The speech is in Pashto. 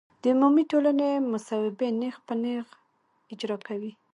د عمومي ټولنې مصوبې نېغ په نېغه اجرا کوي.